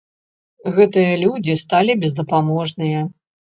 Гэтыя людзі сталі бездапаможныя.